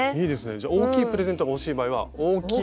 じゃあ大きいプレゼントが欲しい場合は大きい。